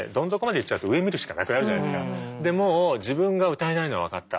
要は下まででもう自分が歌えないのは分かった。